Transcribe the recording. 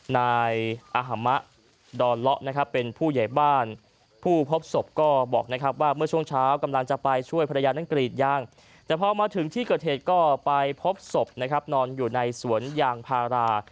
นายอหมะดอนเลาะนะครับเป็นผู้ใหญ่บ้านผู้พบศพก็บอกนะครับว่าเมื่อช่วงเช้ากำลังจะไปช่วยภรรยานั้นกรีดยางแต่พอมาถึงที่เกิดเหตุก็ไปพบศพนะครับนอนอยู่ในสวนยางพารา